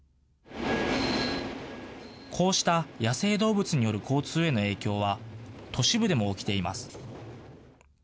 こうした野生動物による交通への影響は、都市部でも起きています。